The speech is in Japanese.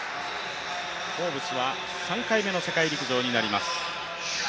フォーブスは３回目の世界陸上になります。